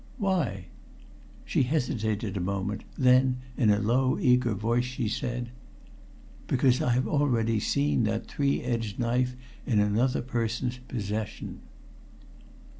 "Why?" She hesitated a moment, then in a low, eager voice she said: "Because I have already seen that three edged knife in another person's possession."